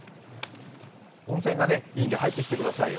温泉がいいんで、入ってきてくださいよ。